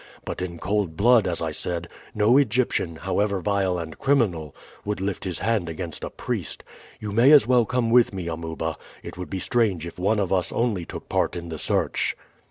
But in cold blood, as I said, no Egyptian, however vile and criminal, would lift his hand against a priest. You may as well come with me, Amuba; it would be strange if one of us only took part in the search."